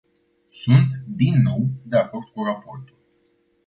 Sunt, din nou, de acord cu raportorul.